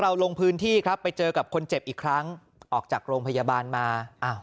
ลงพื้นที่ครับไปเจอกับคนเจ็บอีกครั้งออกจากโรงพยาบาลมาอ้าว